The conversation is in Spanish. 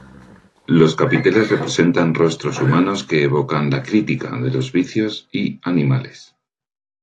Los capiteles representan rostros humanos que evocan la crítica de los vicios, y animales.